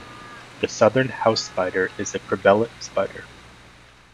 The southern house spider is a cribellate spider.